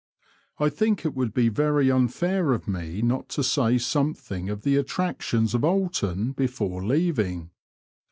1 think it would be very unfair of me not to say something of the attractions of Oulton before leaving.